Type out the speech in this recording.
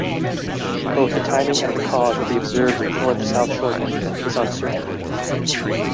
Both the timing and the cause of the observed north–south shortening is uncertain.